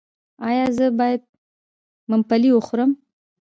ایا زه باید ممپلی وخورم؟